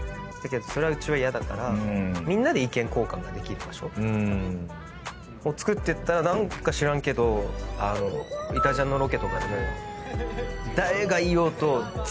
それはうちは嫌だからみんなで意見交換ができる場所をつくってったら何か知らんけど『いたジャン』のロケとかでも。